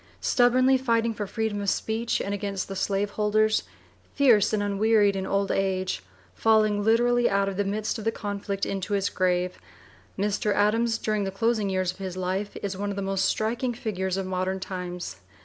Stubbornly fighting for freedom of speech and against the slaveholders, fierce and unwearied in old age, falling literally out of the midst of the conflict into his grave, Mr. Adams, during the closing years of his life, is one of the most striking figures of modern times.